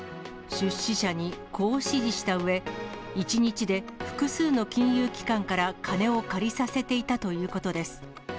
出資者にこう指示したうえ、１日で複数の金融機関から金を借りさせていたということです。